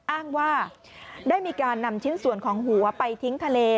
อ้างว่าได้มีการนำชิ้นส่วนของหัวไปทิ้งทะเล